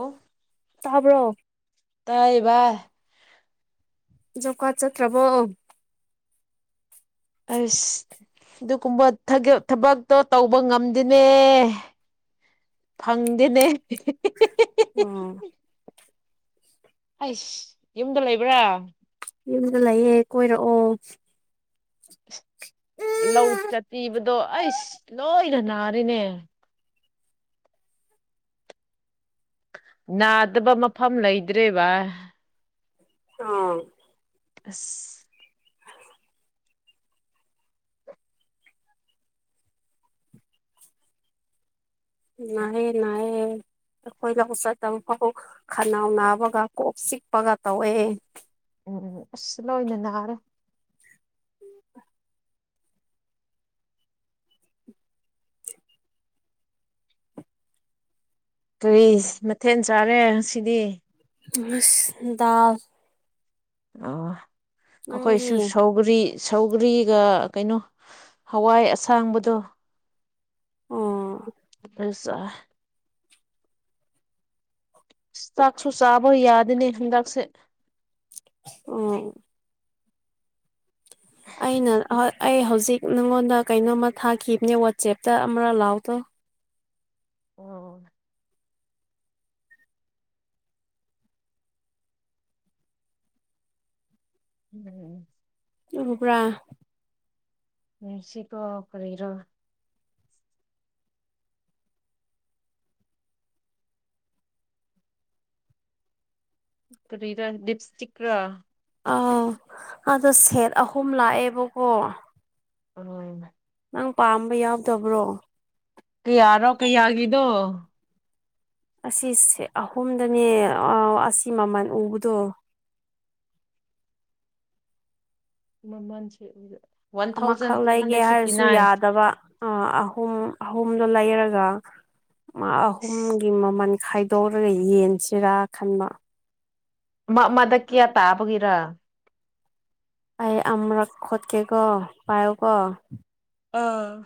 ꯑꯣ ꯕ꯭ꯔꯣꯝ ꯇꯥꯏꯕ ꯖꯧꯀꯥ ꯆꯠꯇ꯭ꯔꯕꯣ ꯑꯁ ꯑꯗꯨꯒꯨꯝꯕ ꯊꯕꯛꯇꯣ ꯇꯧꯕ ꯉꯝꯗꯅꯦ ꯐꯪꯗꯦꯅꯦ ꯑꯣ ꯑꯩꯁ ꯌꯨꯝꯗ ꯂꯩꯕ꯭ꯔꯥ ꯌꯨꯝꯗ ꯂꯩꯌꯦꯦ ꯀꯣꯏꯔꯛꯑꯣ ꯑ ꯂꯧ ꯆꯄꯤꯤꯕꯗꯣ ꯑꯩ ꯂꯣꯏꯅ ꯅꯥꯔꯤꯅꯦ ꯅꯥꯗꯕ ꯃꯐꯝ ꯂꯩꯗ꯭ꯔꯦꯕ ꯑꯥ ꯑꯁ ꯅꯥꯏ ꯅꯥꯏꯦꯈꯣꯏ ꯂꯕ ꯆꯥꯏ ꯇꯝ ꯐ ꯈꯅꯥꯎ ꯅꯥꯕꯒ ꯀꯣꯛ ꯆꯤꯛꯄꯒ ꯇꯧꯋꯦ ꯎꯝ ꯑꯁ ꯂꯅꯅ ꯍꯥꯥꯔꯦ ꯀꯔꯤ ꯃꯊꯦꯜ ꯆꯥꯔꯦ ꯁꯤꯗꯤ ꯁꯗꯥꯎ ꯑ ꯅꯪꯗꯤ ꯑꯩꯈꯣꯏꯁꯨ ꯁꯧꯒꯔꯤ ꯁꯧꯒꯔꯤꯒ ꯀꯩꯅꯣ ꯍꯋꯥꯏ ꯑꯁꯥꯡꯕꯗꯣ ꯑꯣ ꯑꯗꯨꯁ ꯆꯥꯛꯁꯨ ꯆꯥꯕ ꯌꯥꯗꯅꯦ ꯍꯟꯗꯥꯛꯁꯦ ꯎꯝ ꯑꯩꯅ ꯑꯩ ꯍꯧꯖꯤꯛ ꯅꯪꯉꯣꯟꯗ ꯀꯩꯅꯣꯝꯃ ꯊꯥꯈꯤꯕꯅꯦ ꯋꯥꯆꯦꯞꯇ ꯑꯃꯔ ꯂꯥꯎ ꯇꯧ ꯑꯣ ꯎꯝ ꯎꯕ꯭ꯔꯥ ꯃꯦꯁꯤ ꯀꯣ ꯀꯔ ꯀꯔꯤꯔ ꯂꯤꯞꯁꯇꯤꯛ ꯔ ꯑꯥꯎ ꯑꯗꯣ ꯁꯦꯠ ꯑꯍꯨꯝ ꯂꯥꯛꯑꯦꯕꯀꯣ ꯍꯣꯏ ꯃꯥ ꯅꯪ ꯄꯥꯝꯕ ꯌꯥꯎꯗꯕ꯭ꯔꯣ ꯀꯩ ꯌꯥꯔꯣ ꯀꯩꯌꯥꯒꯗꯨꯣ ꯑꯁꯤꯁꯦ ꯑꯍꯨꯝꯗꯅꯦ ꯑꯁꯤ ꯃꯃꯜ ꯎꯕꯗꯣ [inaudible] ꯃꯃꯥꯟꯁꯦ ꯑꯣꯏꯗ ꯑꯃꯈꯛ ꯂꯩꯒꯦ ꯍꯥꯏꯔꯁꯨ ꯌꯥꯗꯕ ꯑ ꯑꯍꯨꯝ ꯑꯍꯨꯝꯗꯣ ꯂꯩꯔꯒ ꯃꯥ ꯑꯍꯨꯝꯒꯤ ꯃꯃꯜ ꯈꯥꯏꯗꯣꯛꯔꯒ ꯌꯦꯟ ꯁꯤꯔꯥ ꯈꯟꯕ ꯃꯗꯛ ꯀꯌꯥ ꯇꯥꯕꯒꯤꯔꯥ ꯑꯩ ꯑꯃꯨꯔꯛ ꯈꯣꯠꯀꯦꯀꯣ ꯄꯥꯏꯣꯀꯣ ꯑꯥ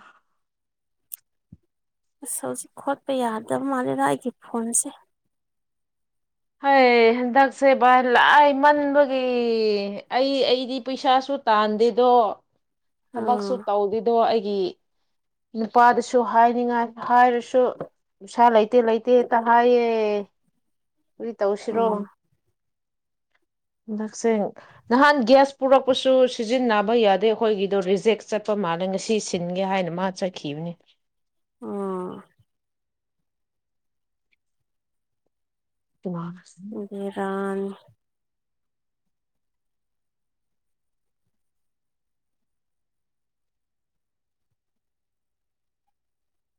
ꯑꯁ ꯍꯧꯖꯤꯛ ꯈꯣꯠꯄ ꯌꯥꯗꯕ ꯃꯥꯜꯂꯦꯗ ꯑꯩꯒꯤ ꯐꯣꯟꯁꯦ ꯍꯣꯏ ꯍꯟꯗꯛꯁꯦ ꯚꯥꯏ ꯂꯥꯏ ꯃꯟꯕꯒꯤ ꯑꯩ ꯑꯩꯗꯤ ꯄꯩꯁꯥ ꯁ ꯨ ꯇꯥꯟꯗꯦꯗꯣ ꯎꯝ ꯊꯕꯛꯁꯨ ꯇꯧꯗꯦꯗꯣ ꯑꯩꯒꯤ ꯅꯨꯄꯥꯗꯁꯨ ꯍꯥꯏꯅꯤꯡꯉꯥꯏ ꯍꯥꯏꯔꯁꯨ ꯅꯨꯡꯁꯥ ꯂꯩꯇꯦ ꯂꯩꯇꯦꯇ ꯍꯥꯏꯌꯦ ꯎ ꯎꯔꯤ ꯇꯧꯁꯤꯔꯣ [inaudible] ꯍꯟꯗꯛꯁꯦꯡ ꯅꯍꯥꯟ ꯒ꯭ꯌꯥꯁ ꯄꯨꯔꯛꯄꯁꯨ ꯁꯤꯖꯤꯟꯅꯕ ꯌꯥꯗꯦ ꯑꯩꯈꯣꯏꯒꯤꯗꯣ ꯔꯤꯖꯦꯛ ꯆꯠꯄ ꯃꯥꯜꯂ ꯍꯗꯪ ꯉꯁꯤ ꯁꯤꯟꯒꯦ ꯍꯥꯏꯅ ꯃꯥ ꯆꯠꯈꯤꯕꯅꯤ ꯑꯣ ꯦꯔꯥꯟ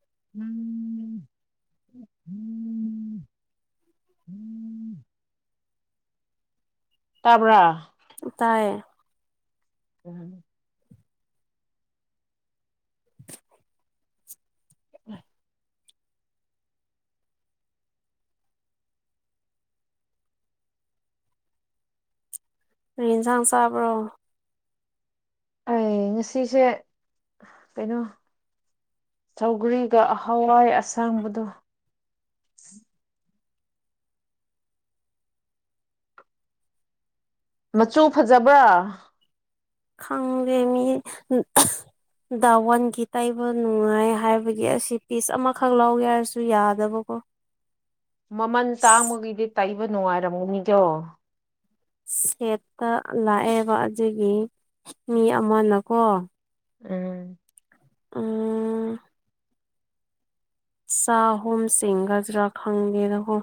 ꯎꯝꯝ ꯎ ꯇꯥꯕ꯭ꯔꯥ ꯇꯥꯏꯌꯦ ꯎꯝ [inaudible] ꯑꯗꯨ ꯌꯦꯟꯁꯥꯡ ꯆꯥꯕ꯭ꯔꯣ ꯑꯩ ꯉꯁꯤꯁꯦ ꯀꯩꯅꯣ ꯆꯧꯒꯔꯤꯒ ꯍꯋꯥꯏ ꯑꯁꯥꯡꯕꯗꯣ ꯃꯆꯨ ꯐꯖꯕ꯭ꯔꯥ ꯈꯥꯡꯒꯦ ꯃꯤ ꯗꯥꯋꯥꯟꯒꯤ ꯇꯩꯕ ꯅꯨꯡꯉꯥꯏ ꯍꯥꯏꯕꯒꯤ ꯑꯁꯤ ꯄꯤꯁ ꯑꯃꯈꯛ ꯂꯧꯒꯦ ꯍꯥꯏꯔꯁꯨ ꯌꯥꯗꯕꯀꯣ [inaudible] [unintelligible] ꯃꯃꯜ ꯇꯥꯡꯕꯒꯤꯩꯗꯤ ꯇꯩꯕ ꯅꯨꯡꯉꯥꯏꯔꯝꯃꯨꯅꯤꯗꯣ ꯁꯦꯠꯇ ꯂꯥꯛꯑꯦꯕ ꯑꯗꯨꯒꯤ ꯃꯤ ꯑꯃꯅꯀꯣ ꯎꯝ ꯑ ꯁꯥꯍꯨꯝꯁꯤꯡꯒꯖ ꯔ ꯈꯪꯒꯦꯣ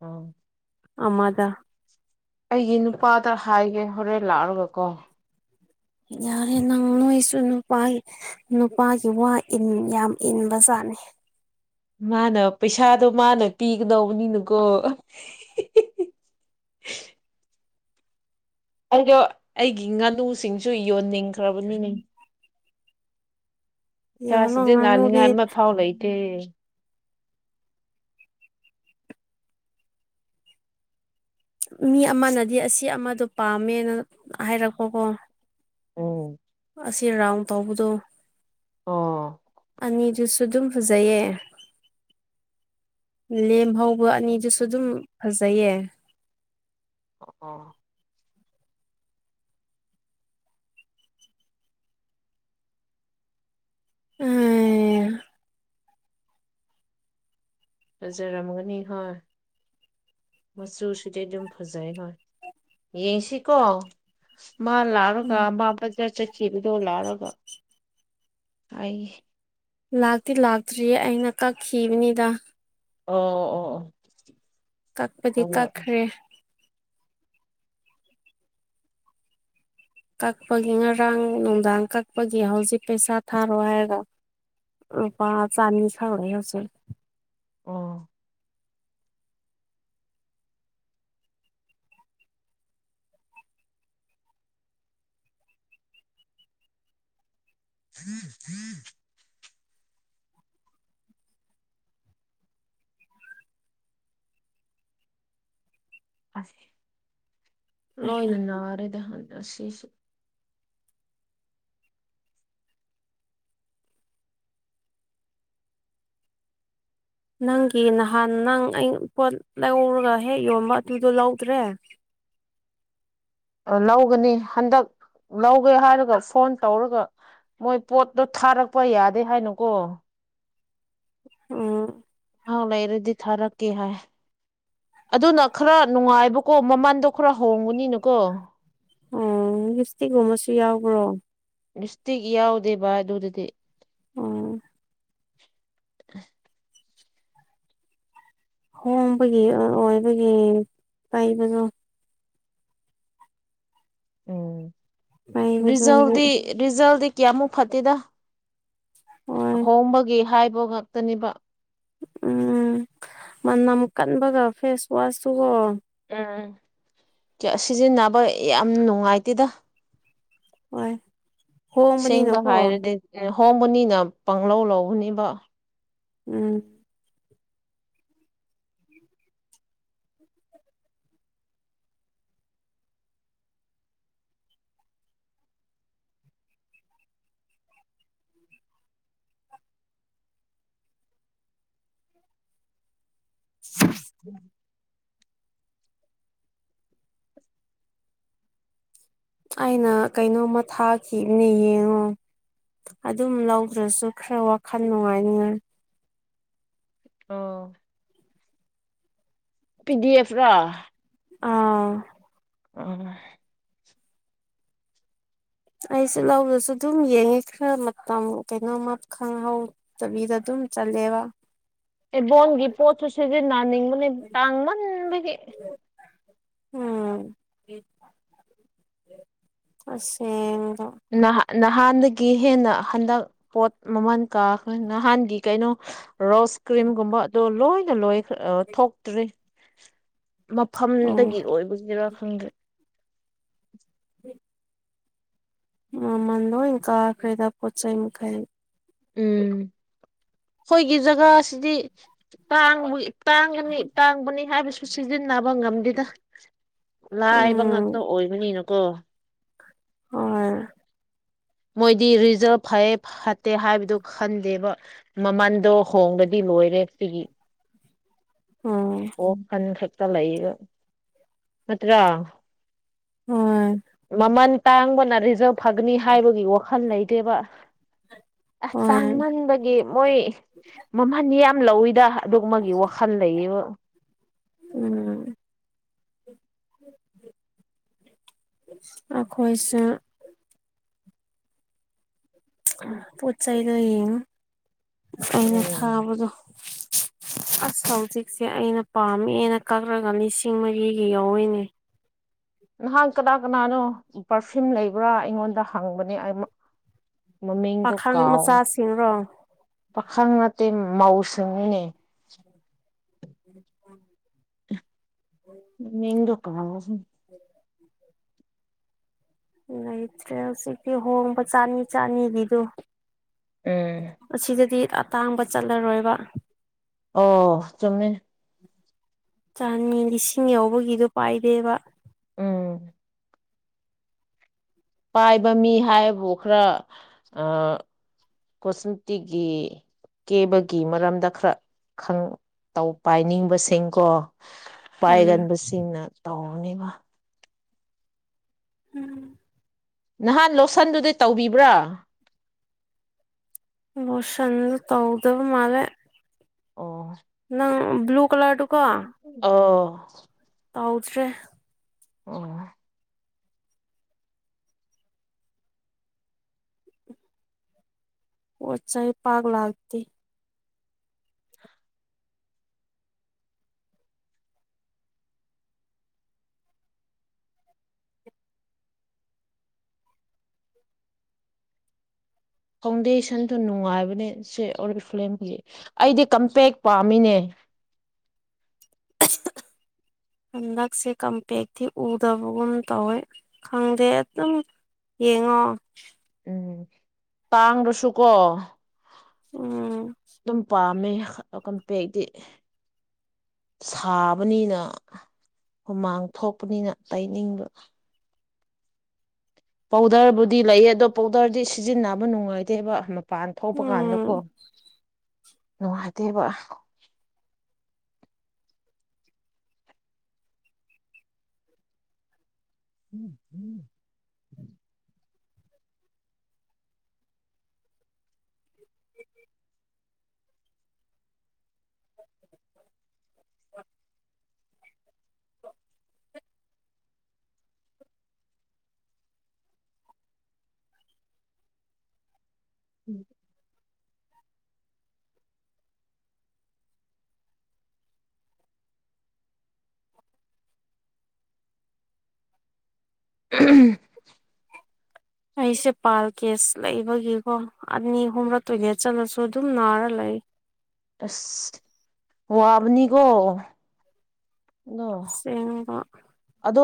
ꯑꯝ ꯑꯃꯗ ꯑꯩꯒꯤ ꯅꯨꯄꯥꯗ ꯍꯥꯏꯒꯦ ꯍꯣꯔꯦꯟ ꯂꯥꯛꯑꯒꯀꯣ ꯌꯥꯔꯦ ꯅꯪ ꯅꯣꯏꯁꯨ ꯅꯨꯄꯥ ꯅꯨꯄꯥꯒꯤ ꯋꯥ ꯌꯥꯝ ꯏꯟꯕꯁꯥ ꯅꯤ ꯃꯥꯅ ꯄꯩꯁꯥꯗꯣ ꯃꯥꯅ ꯄꯤꯒꯗꯧꯕꯅꯤꯅꯀꯣ [inaudible] [unintelligible] ꯑꯩꯗꯣ ꯑꯩꯒꯤ ꯉꯥꯅꯨꯁꯤꯡꯁꯨ ꯌꯣꯟꯅꯤꯡꯈ꯭ꯔꯕꯅꯤꯅꯦ ꯌꯦꯡꯉꯣꯅ ꯀꯥꯁꯤꯗꯤꯦ ꯉꯥꯅꯨꯗꯤ ꯅꯥꯥꯅꯤꯡꯉꯥꯏ ꯑꯃ ꯐꯥꯎ ꯂꯩꯇꯦ ꯃꯤ ꯑꯃꯅꯗꯤ ꯑꯁꯤ ꯑꯃꯗꯣ ꯄꯥꯝꯃꯦꯅ ꯍꯥꯏꯔꯛꯄꯣꯀꯣ ꯎꯝ ꯑꯁꯤ ꯔꯥꯎꯟ ꯇꯧꯕꯗꯣ ꯑ ꯑꯅꯤꯗꯨꯁꯨ ꯑꯗꯨꯝ ꯐꯖꯩꯌꯦ ꯂꯦꯝꯐꯧꯕ ꯑꯅꯤꯗꯨꯁꯨ ꯑꯗꯨꯝ ꯐꯖꯩꯌꯦ ꯑ ꯑ ꯎꯝ ꯔꯖꯔꯔꯝꯒꯅꯤ ꯍ ꯃꯆꯨꯁꯤꯗꯤ ꯑꯗꯨꯝ ꯐꯖꯩ ꯍꯣꯏ ꯌꯦꯡꯁꯤꯀꯣ ꯃꯥ ꯂꯥꯛꯑꯒ ꯃꯥ ꯕꯖꯥꯔ ꯆꯠꯈꯤꯕꯗꯣ ꯂꯥꯛꯑꯔꯒ ꯑꯩ ꯂꯥꯛꯇꯤ ꯂꯥꯛꯇ꯭ꯔꯤꯌꯦ ꯑꯩꯅ ꯀꯛꯈꯤꯕꯅꯤꯗ ꯑꯣ ꯑꯣ ꯑꯣ ꯀꯛꯄꯗꯤ ꯀꯛꯈ꯭ꯔꯦ ꯀꯛꯄꯒꯤ ꯉꯔꯥꯡ ꯅꯨꯡꯗꯥꯡ ꯀꯛꯄꯒꯤ ꯍꯧꯖꯤꯛ ꯄꯩꯁꯥ ꯊꯥꯔꯣ ꯍꯥꯏꯔꯒ ꯔꯨꯄꯥ ꯆꯥꯅꯤꯁ ꯍꯧꯆ ꯑ ꯍꯝ ꯍꯝ ꯂꯣꯏꯅ ꯅꯥꯔꯦꯗ ꯑꯁꯤꯁꯨ ꯅꯪꯒꯤ ꯅꯍꯥꯟ ꯅꯪ ꯑ ꯄꯣꯠ ꯂꯧꯔꯒ ꯍꯦꯛ ꯌꯣꯟꯕ ꯑꯗꯨꯗꯣ ꯂꯧꯗ꯭ꯔꯦ [inaudible] [unintelligible] ꯂꯧꯒꯅꯤ ꯍꯟꯗꯛ ꯂꯧꯒꯦ ꯍꯥꯏꯔꯒ ꯐꯣꯟ ꯇꯧꯔꯒ ꯃꯣꯏ ꯄꯣꯠꯇꯣ ꯊꯥꯔꯛꯄ ꯌꯥꯗꯦ ꯍꯥꯏꯅꯨꯀꯣ ꯑꯥ ꯑꯍꯥꯎ ꯂꯩꯔꯗꯤ ꯊꯥꯔꯛꯀꯦ ꯍꯥꯏ ꯑꯗꯨꯅ ꯈꯔ ꯅꯨꯡꯉꯥꯏꯕꯀꯣ ꯃꯃꯟꯗꯣ ꯈꯔ ꯍꯣꯡꯒꯅꯤꯅꯀꯣ ꯑꯣ ꯞꯁꯇꯤꯛꯒꯨꯝꯕꯁꯨ ꯌꯥꯎꯕ꯭ꯔꯣ ꯁꯇꯩ ꯀꯌꯥꯎꯦ ꯕꯥ ꯑꯗꯨꯗꯤ ꯑꯣ ꯑ ꯍꯣꯡꯕꯒꯤ ꯑꯣꯏꯕꯒꯤ ꯇꯩꯕꯗꯣ ꯎꯝ ꯄꯩꯕꯗꯨꯗꯤ ꯔꯤꯖꯜꯗꯤ ꯔꯤꯖꯜ ꯀꯌꯥꯃꯨꯛ ꯐꯠꯇꯦꯗ ꯍꯣꯏ ꯍꯣꯡꯕꯒꯤ ꯍꯥꯏꯕ ꯉꯥꯛꯇꯅꯦꯕ ꯎꯝ ꯃꯅꯝ ꯀꯟꯕꯒ ꯐꯦꯁ ꯋꯥꯁꯇꯨꯒꯣ ꯎꯝ ꯁꯤꯖꯤꯟꯅꯕ ꯌꯥꯝ ꯅꯨꯡꯉꯥꯏꯇꯦꯗ ꯍꯣꯏ ꯁꯦꯡꯕ ꯍꯣꯡꯕꯅꯤꯅꯀꯣ ꯍꯥꯏꯔꯗꯤ ꯍꯣꯡꯕꯅꯤꯅ ꯄꯪꯂꯧ ꯂꯧꯕꯅꯦꯕ ꯎꯝ ꯎꯝ [inaudible] ꯑꯩꯅ ꯀꯩꯅꯣꯝꯃ ꯊꯥꯈꯤꯕꯅꯦ ꯌꯦꯡꯉꯣ ꯑꯗꯨꯝ ꯂꯧꯈ꯭ꯔꯁꯨ ꯈꯔ ꯋꯥꯈꯜ ꯅꯨꯡꯉꯥꯏꯅꯤꯉꯥꯏ ꯑ ꯄꯤꯗꯤ ꯑꯦꯐ ꯔꯥ ꯑꯥ ꯑ ꯑꯩꯁꯦ ꯂꯧꯗꯁꯨ ꯑꯗꯨꯝ ꯌꯦꯡꯉꯦ ꯈꯔ ꯃꯇꯝ ꯀꯩꯅꯣꯃ ꯈꯪꯍꯧꯗꯕꯤꯗ ꯑꯗꯨꯝ ꯆꯂꯦꯕ ꯏꯕꯣꯟꯒꯤ ꯄꯣꯠꯁꯨ ꯁꯤꯖꯤꯟꯅꯅꯤꯡꯕꯅꯤ ꯇꯥꯡꯃꯟꯕꯒꯤ ꯎꯝ ꯑꯁꯦꯡ [unintelligible] ꯅꯍꯥꯟꯗꯒꯤ ꯍꯦꯟꯅ ꯍꯟꯗꯛ ꯄꯣꯠ ꯃꯃꯜ ꯀꯥ ꯅꯍꯥꯟꯒꯤ ꯀꯩꯅꯣ ꯔꯣꯁ ꯀ꯭ꯔꯤꯝꯒꯨꯝꯕ ꯑꯗꯨ ꯂꯣꯏꯅ ꯂꯣꯏ ꯊꯣꯛꯇ꯭ꯔꯤ ꯎꯝ ꯃꯐꯝꯗꯒꯤ ꯑꯣꯏꯕꯒꯤꯔꯥ ꯈꯪꯗ꯭ꯔꯦ ꯍ [inaudible] ꯃꯃꯟꯂꯣꯏ ꯀꯥꯈꯔꯦꯗ ꯄꯣꯠ ꯆꯩꯩ ꯃꯈꯩ ꯎꯝ ꯑꯩꯈꯣꯏꯒꯤ ꯖꯒꯥꯁꯤꯗꯤ ꯇꯥꯡꯉꯒꯤ ꯇꯥꯡꯒꯅꯤ ꯇꯥꯡꯕꯅꯤ ꯍꯥꯏꯕꯁꯨ ꯁꯤꯖꯤꯟꯅꯕ ꯉꯝꯗꯦꯗ ꯂꯥꯏꯕ ꯉꯥꯛꯇ ꯎꯝ ꯑꯣꯏꯕꯅꯤꯅꯀꯣ ꯍꯣꯏ ꯃꯣꯏꯗꯤ ꯔꯤꯖꯜꯕ ꯐꯩꯌꯦ ꯐꯠꯇꯦ ꯍꯥꯏꯕꯗꯨ ꯈꯟꯗꯦꯕ ꯃꯃꯟꯗꯣ ꯍꯣꯡꯉꯥꯗꯤ ꯂꯣꯏꯔꯦ ꯁꯤꯒꯤ ꯎꯝ ꯑꯣ ꯈꯟ ꯈꯛꯇ ꯂꯩ ꯅꯠꯇ꯭ꯔꯥ ꯍꯣꯏ ꯃꯃꯜ ꯇꯥꯡꯕꯅ ꯔꯤꯖꯜ ꯐꯒꯅꯤ ꯍꯥꯏꯕꯒꯤ ꯋꯥꯈꯜ ꯂꯩ ꯇꯦꯕ ꯑꯁ ꯍꯣꯏ ꯇꯥꯡꯃꯟꯕꯒꯤ ꯃꯣꯏ ꯃꯃꯟ ꯌꯥꯝ ꯂꯧꯋꯤꯗ ꯑꯗꯨꯃꯒꯤ ꯋꯥꯈꯜ ꯂꯩꯌꯦꯕ ꯎꯝ ꯑꯈꯣꯏꯁꯨ ꯄꯣꯠ ꯆꯩꯗꯣ ꯌꯦꯡꯉ ꯑꯩꯅ ꯎꯝ ꯊꯥꯕꯗꯣ [inaudible] ꯑꯁ ꯍꯧꯖꯤꯛꯁꯦ ꯑꯩꯅ ꯄꯥꯝꯃꯦꯅ ꯀꯛꯂꯒ ꯂꯤꯁꯤꯡ ꯃꯔꯤꯒꯤ ꯌꯥꯎꯔꯤꯏꯅꯦ ꯅꯍꯥꯟ ꯀꯅꯥ-ꯀꯅꯥꯅꯣ ꯄꯔꯐꯤꯌꯨꯝ ꯂꯩꯕ꯭ꯔꯥ ꯑꯩꯉꯣꯟꯗ ꯍꯪꯕꯅꯦ ꯃꯃꯤꯡꯗꯣ ꯄꯥꯈꯪ ꯀꯥꯎ ꯃꯆꯥꯁꯤꯡꯔꯣ ꯄꯥꯈꯪ ꯅꯠꯇꯦ ꯃꯧꯁꯤꯡꯅꯤꯅꯦ ꯎꯝꯝ ꯃꯤꯡꯗꯣ ꯀꯥꯎ [inaudible] [unintelligible] ꯂꯩꯇ꯭ꯔꯦ ꯍꯧꯖꯤꯛꯇꯤ ꯍꯣꯡꯕ ꯆꯥꯅꯤ ꯆꯥꯅꯤꯗꯤꯗꯨ ꯎꯝ ꯑꯁꯤꯗꯗꯤ ꯑꯇꯥꯡꯕ ꯆꯠꯂꯔꯣꯏꯕ ꯑꯣ ꯆꯨꯨꯝꯃꯦ ꯆꯥꯅꯤ ꯂꯤꯁꯤꯡ ꯌꯥꯎꯕꯒꯤꯗꯣ ꯄꯥꯏꯗꯦꯕ ꯎꯝ ꯄꯥꯏꯕ ꯃꯤ ꯍꯥꯏꯕꯨ ꯈꯔ ꯑ ꯀꯣꯁꯃꯤꯇꯤꯒꯤ ꯀꯦꯕꯒꯤ ꯃꯔꯝꯗ ꯈꯔ ꯈꯪꯕ ꯄꯥꯏꯅꯤꯡꯕꯁꯤꯡꯀꯣ ꯎꯝ ꯄꯥꯏꯒꯟꯕꯁꯤꯡꯅ ꯇꯧꯅꯦꯕ ꯅꯍꯥꯟ ꯂꯣꯠꯁꯟꯗꯨꯗꯤ ꯇꯧꯕꯤꯕ꯭ꯔꯥ ꯂꯣꯁꯟ ꯇꯧꯗꯕ ꯃꯥꯂꯦ ꯑꯣ ꯅꯪ ꯕ꯭ꯂꯨ ꯀꯂꯔꯗꯨꯀꯣ ꯑꯣ ꯇꯧꯗ꯭ꯔꯦ ꯑꯣ ꯄꯣꯠ ꯆꯩ ꯄꯥꯛ ꯂꯥꯛꯇꯦ ꯐꯥꯎꯟꯗꯦꯁꯟꯗ ꯅꯨꯡꯉꯥꯏꯕꯅꯦ ꯁꯤ ꯑꯣꯔ ꯐꯤꯂꯝꯒꯤ ꯑꯩꯗꯤ ꯀꯝꯄꯦꯛ ꯄꯥꯝꯃꯤꯅꯦ [inaudible] [inaudible] ꯍꯟꯗꯛꯁꯦ ꯀꯝꯄꯦꯛꯇꯤ ꯎꯗꯕꯒꯨꯝ ꯇꯧꯋꯦ ꯈꯪꯗꯦ ꯑꯗꯨꯝ ꯌꯦꯡꯉꯣ ꯎꯝ ꯇꯥꯡꯗꯔ ꯁꯨꯨꯀꯣ ꯎꯝ ꯀꯝꯄꯦꯛꯇꯤ ꯁꯥꯕꯅꯤꯅ ꯍꯨꯃꯥꯡ ꯊꯣꯛꯄꯅꯤꯅ ꯇꯩꯅꯤꯡꯕ ꯄꯥꯎꯗꯔꯕꯨꯗꯤ ꯂꯩꯌꯦ ꯑꯗꯣ ꯄꯥꯎꯗꯔꯗꯤ ꯁꯤꯖꯤꯟꯅꯕ ꯅꯨꯡꯉꯥꯏꯇꯦ ꯍꯥꯏꯕ ꯃꯄꯥꯟ ꯊꯣꯛꯄ ꯎꯝ ꯀꯥꯟꯗꯀꯣ ꯅꯨꯡꯉꯥꯏꯇꯦꯕ ꯎꯝ ꯎꯝ [inaudible] ꯎꯝ [inaudible] [inaudible] ꯑꯩꯁꯦ ꯄꯥꯜ ꯀꯦꯁ ꯂꯩꯕꯒꯤꯀꯣ ꯑꯅꯤ ꯑꯍꯨꯝꯂ ꯇꯣꯏꯂꯦꯠ ꯆꯠꯂꯁꯨ ꯑꯗꯨꯝ ꯅꯥꯔ ꯂꯩ ꯑꯁ ꯋꯥꯕꯅꯤꯀꯣ ꯑꯣ ꯁꯦꯡꯕ ꯑꯗ